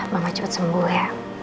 mama cepat sembuh ya